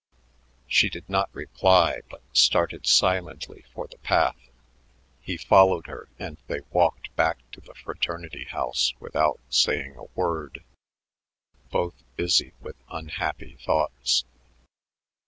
She did not reply but started silently for the path. He followed her, and they walked back to the fraternity house without saying a word, both busy with unhappy thoughts.